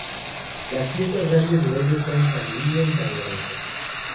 Las fiestas grandes de Hoyos son: San Lino y San Lorenzo.